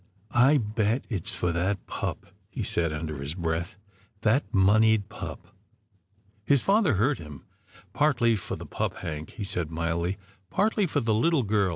" I bet you it's for that pup," he said under his breath, " that moneyed pup." 136 'TILDA JANE'S ORPHANS His father heard him. " Partly for the pup, Hank," he said mildly, " partly for the little girl.